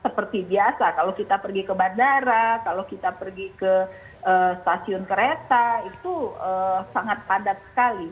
seperti biasa kalau kita pergi ke bandara kalau kita pergi ke stasiun kereta itu sangat padat sekali